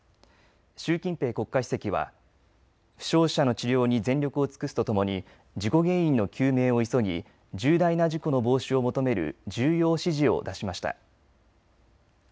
習近平国家主席は負傷者の治療に全力を尽くすとともに事故原因の究明を急ぎ重大な事故の防止を求める重要指示を出しました。